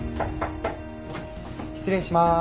失礼しまーす。